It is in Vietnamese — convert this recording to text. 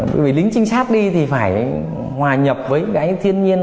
bởi vì lính trinh sát đi thì phải hòa nhập với cái thiên nhiên